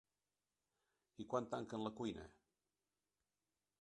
I quan tanquen la cuina?